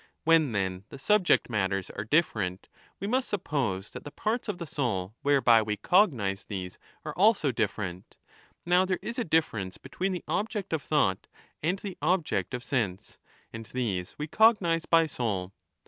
When, then, the subject matters are different, we must suppose that the parts of the soul whereby we cognise these are 25 also different. Now there is a difference between the object of thought and the object of sense; and these we cognise by soul.